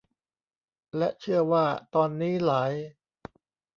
และเชื่อว่าตอนนี้หลาย